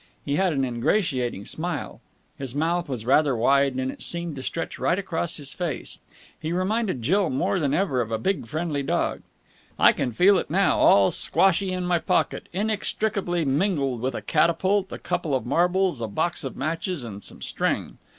He had an ingratiating smile. His mouth was rather wide, and it seemed to stretch right across his face. He reminded Jill more than ever of a big, friendly dog. "I can feel it now all squashy in my pocket, inextricably mingled with a catapult, a couple of marbles, a box of matches, and some string.